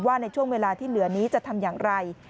ในช่วงเวลาที่เหลือนี้จะทำอย่างไร